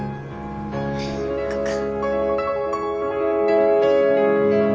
行こうか。